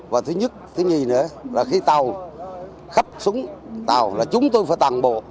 và thứ nhất thứ nhì nữa là khi tàu khắp xuống tàu là chúng tôi phải toàn bộ